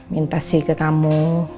minta sih ke kamu